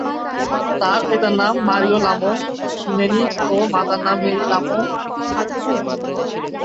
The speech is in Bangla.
তার পিতার নাম মারিও লামো-জিমেনিজ ও মাতার নাম মেরি লামো-এটউড।